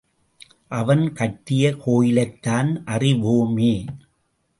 அவன் கட்டிய கோயிலைத்தான் அறிவோமே.